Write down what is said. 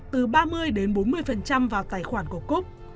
từ ba mươi đến bốn mươi vào tài khoản của cúp